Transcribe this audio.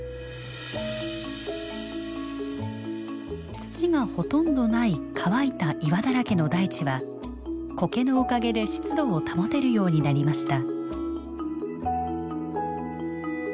土がほとんどない乾いた岩だらけの大地はコケのおかげで湿度を保てるようになりました。